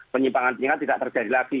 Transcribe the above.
penyimpangan penyimpangan tidak terjadi lagi